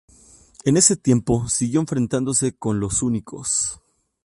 En ese tiempo siguió enfrentándose con "Los Únicos".